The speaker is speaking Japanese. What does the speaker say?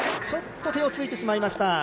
ちょっと手をついてしまいました。